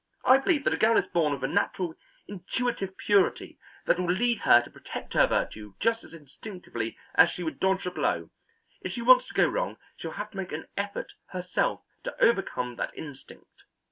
"I believe that a girl is born with a natural intuitive purity that will lead her to protect her virtue just as instinctively as she would dodge a blow; if she wants to go wrong she will have to make an effort herself to overcome that instinct."